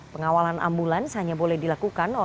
pengawalan ambulans hanya boleh dilakukan oleh petugas